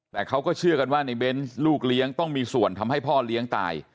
แต่เขาก็เชื่อกันว่าในเบนส์ลูกเลี้ยงต้องมีส่วนทำให้พ่อเลี้ยงตาย